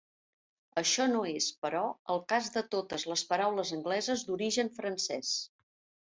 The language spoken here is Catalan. Això no és, però, el cas de totes les paraules angleses d'origen francès.